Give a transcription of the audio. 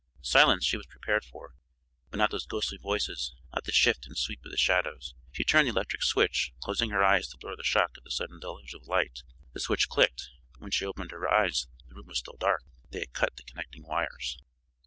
Silence she was prepared for, but not those ghostly voices, not the shift and sweep of the shadows. She turned the electric switch, closing her eyes to blur the shock of the sudden deluge of light. The switch clicked, but when she opened her eyes the room was still dark; they had cut the connecting wires.